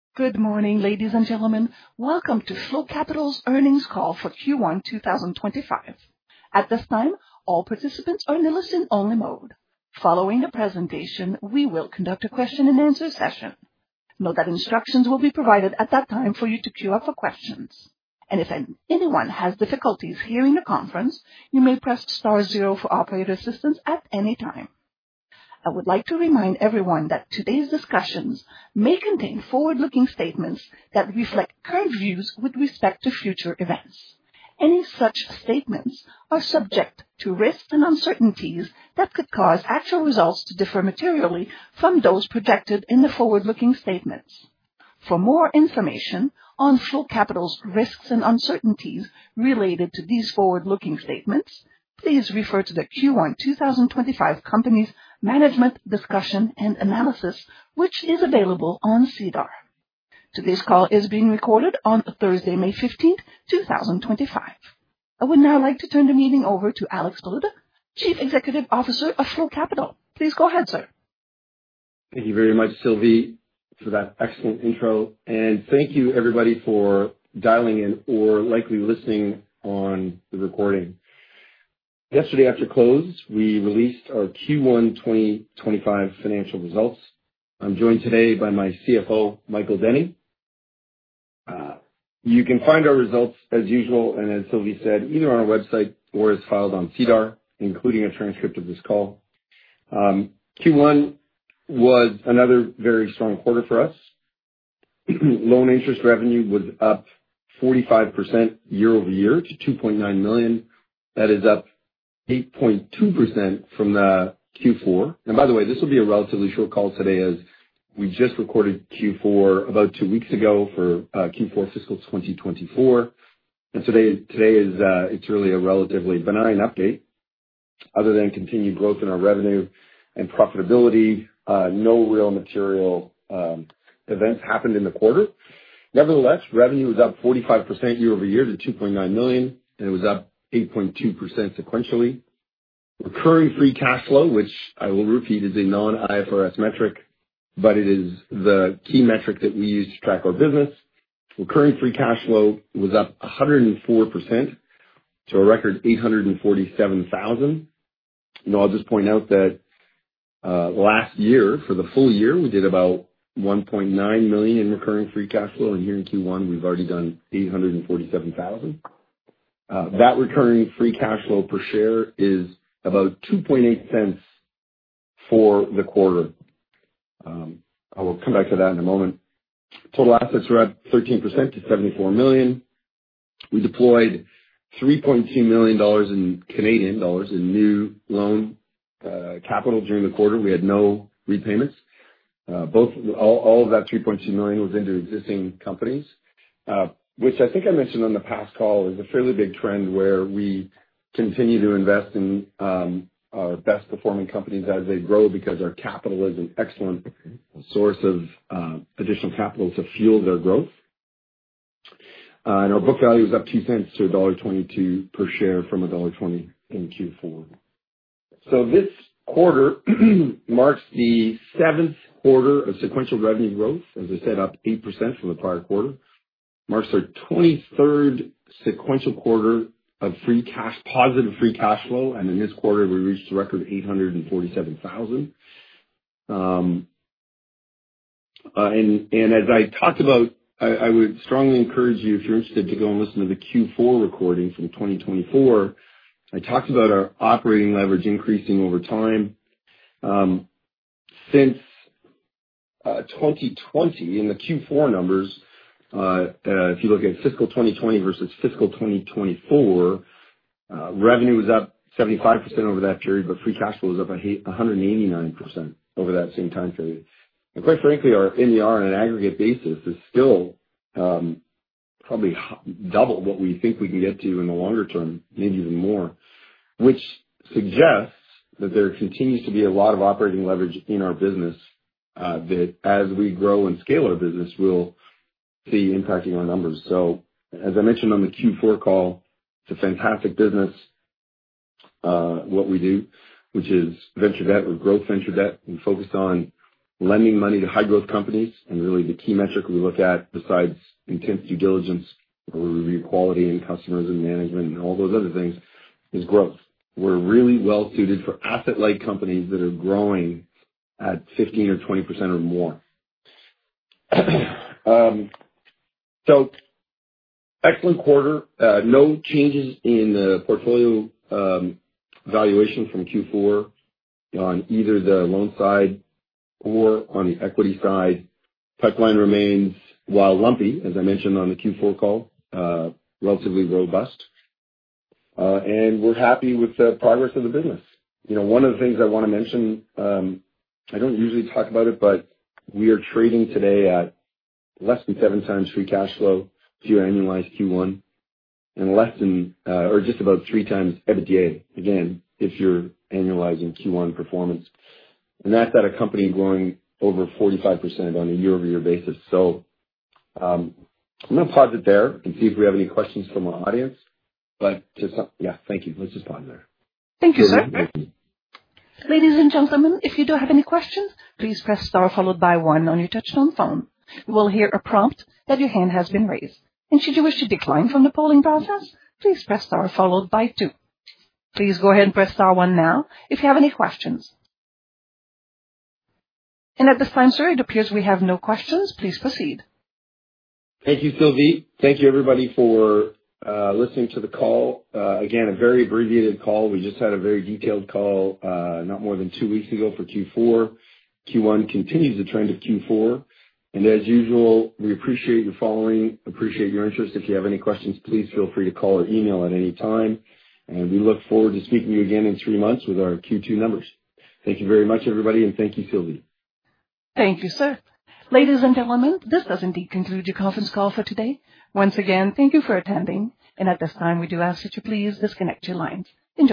Good morning, ladies and gentlemen. Welcome to Flow Capital's earnings call for Q1 2025. At this time, all participants are in listen-only mode. Following the presentation, we will conduct a question-and-answer session. Note that instructions will be provided at that time for you to queue up for questions. If anyone has difficulties hearing the conference, you may press star zero for operator assistance at any time. I would like to remind everyone that today's discussions may contain forward-looking statements that reflect current views with respect to future events. Any such statements are subject to risks and uncertainties that could cause actual results to differ materially from those projected in the forward-looking statements. For more information on Flow Capital's risks and uncertainties related to these forward-looking statements, please refer to the Q1 2025 Company's Management's Discussion and Analysis, which is available on SEDAR. Today's call is being recorded on Thursday, May 15th, 2025. I would now like to turn the meeting over to Alex Baluta, Chief Executive Officer of Flow Capital. Please go ahead, sir. Thank you very much, Sylvie, for that excellent intro. Thank you, everybody, for dialing in or likely listening on the recording. Yesterday, after close, we released our Q1 2025 financial results. I'm joined today by my CFO, Michael Denny. You can find our results as usual, and as Sylvie said, either on our website or as filed on SEDAR, including a transcript of this call. Q1 was another very strong quarter for us. Loan interest revenue was up 45% year-over-year to 2.9 million. That is up 8.2% from the Q4. By the way, this will be a relatively short call today as we just recorded Q4 about two weeks ago for Q4 fiscal 2024. Today, it's really a relatively benign update. Other than continued growth in our revenue and profitability, no real material events happened in the quarter. Revenue was up 45% year-over-year to 2.9 million, and it was up 8.2% sequentially. Recurring free cash flow, which I will repeat, is a non-IFRS metric, but it is the key metric that we use to track our business. Recurring free cash flow was up 104% to a record 847,000. I'll just point out that last year, for the full year, we did about 1.9 million in recurring free cash flow, and here in Q1, we've already done 847,000. That recurring free cash flow per share is about 0.028 for the quarter. I will come back to that in a moment. Total assets were up 13% to 74 million. We deployed 3.2 million dollars in Canadian dollars in new loan capital during the quarter. We had no repayments. All of that 3.2 million was into existing companies, which I think I mentioned on the past call is a fairly big trend where we continue to invest in our best-performing companies as they grow because our capital is an excellent source of additional capital to fuel their growth. Our book value is up 0.02 to dollar 1.22 per share from dollar 1.20 in Q4. This quarter marks the seventh quarter of sequential revenue growth, as I said, up 8% from the prior quarter. Marks our 23rd sequential quarter of positive free cash flow. In this quarter, we reached a record 847,000. As I talked about, I would strongly encourage you, if you're interested, to go and listen to the Q4 recording from 2024. I talked about our operating leverage increasing over time. Since 2020 in the Q4 numbers, if you look at fiscal 2020 versus fiscal 2024, revenue was up 75% over that period, but free cash flow is up 189% over that same time period. Quite frankly, our NER on an aggregate basis is still probably double what we think we can get to in the longer term, maybe even more, which suggests that there continues to be a lot of operating leverage in our business that as we grow and scale our business, we'll be impacting our numbers. As I mentioned on the Q4 call, it's a fantastic business what we do, which is venture debt or growth venture debt. We focus on lending money to high-growth companies, and really the key metric we look at, besides intense due diligence, where we review quality in customers and management and all those other things, is growth. We're really well suited for asset-light companies that are growing at 15% or 20% or more. Excellent quarter. No changes in the portfolio valuation from Q4 on either the loan side or on the equity side. Pipeline remains, while lumpy, as I mentioned on the Q4 call, relatively robust. We're happy with the progress of the business. You know, one of the things I wanna mention, I don't usually talk about it, but we are trading today at less than 7x free cash flow if you annualize Q1, and less than, or just about 3x EBITDA, again, if you're annualizing Q1 performance. That's at a company growing over 45% on a year-over-year basis. I'm gonna pause it there and see if we have any questions from our audience. Just, yeah, thank you. Let's just pause there. Thank you, sir. Thank you. Ladies and gentlemen, if you do have any questions, please press star followed by one on your touchtone phone. You will hear a prompt that your hand has been raised. Should you wish to decline from the polling process, please press star followed by two. Please go ahead and press star one now if you have any questions. At this time, sir, it appears we have no questions. Please proceed. Thank you, Sylvie. Thank you, everybody, for listening to the call. Again, a very abbreviated call. We just had a very detailed call, not more than two weeks ago for Q4. Q1 continues the trend of Q4. As usual, we appreciate your following, appreciate your interest. If you have any questions, please feel free to call or email at any time. We look forward to speaking to you again in three months with our Q2 numbers. Thank you very much, everybody, and thank you, Sylvie. Thank you, sir. Ladies and gentlemen, this does indeed conclude your conference call for today. Once again, thank you for attending. At this time, we do ask that you please disconnect your lines.